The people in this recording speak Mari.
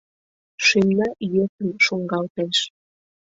Шӱмна йӧсын шуҥгалтеш